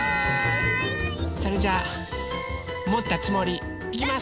それじゃあもったつもり。いきます。